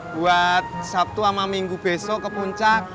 buat sabtu sama minggu besok ke puncak